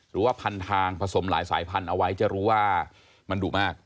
หรือว่าพันทางผสมหลายสายพันธุ์เอาไว้จะรู้ว่ามันดุมาก